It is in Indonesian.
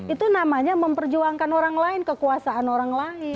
itu namanya memperjuangkan orang lain kekuasaan orang lain